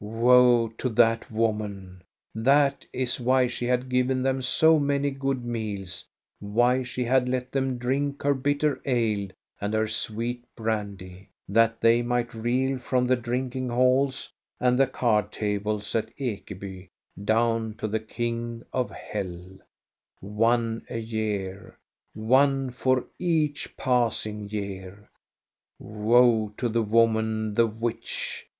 Woe to that woman ! That is why she had given them so many good meals, why she had let them drink her bitter ale and her sweet brandy, that they 44 THE STORY OF GOSTA BERUNG might reel from the drinking halls and the card tables at Ekeby down to the king of hell, — one a year, one for each passing year. Woe to the woman, the witch